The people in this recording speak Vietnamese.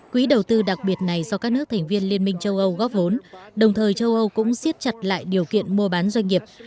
quỹ đầu tư đặc biệt này do các nước thành viên liên minh châu âu góp vốn đồng thời châu âu cũng xiết chặt lại điều kiện mua bán doanh nghiệp